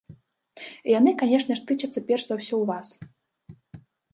І яны, канешне ж, тычацца перш за ўсё вас.